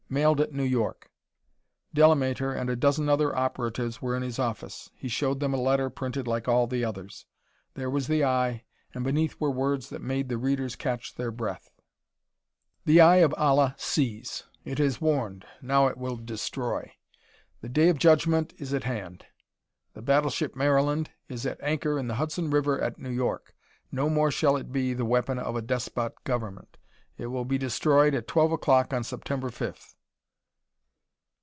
"Mailed at New York." Delamater and a dozen other operatives were in his office: he showed them a letter printed like all the others. There was the eye, and beneath were words that made the readers catch their breath. "The Eye of Allah sees it has warned now it will destroy. The day of judgment is at hand. The battleship Maryland is at anchor in the Hudson River at New York. No more shall it be the weapon of a despot government. It will be destroyed at twelve o'clock on September fifth."